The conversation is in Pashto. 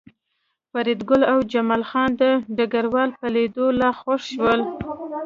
فریدګل او جمال خان د ډګروال په لیدو لا خوښ شول